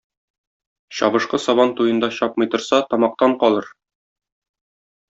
Чабышкы сабан туенда чапмый торса, тамактан калыр.